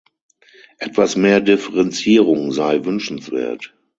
Etwas mehr Differenzierung sei wünschenswert.